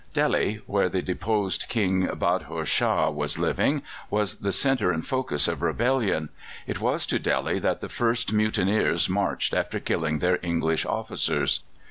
Delhi, where the deposed King Bahadur Shah was living, was the centre and focus of rebellion; it was to Delhi that the first mutineers marched after killing their English officers.